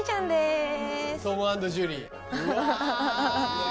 うわ！